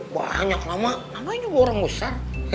banyak lah mak namanya juga orang besar